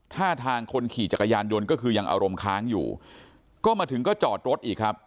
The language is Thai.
ท่าทางคนขี่จักรยานยนต์ก็คือยังอารมณ์ค้างอยู่ก็มาถึงก็จอดรถอีกครับ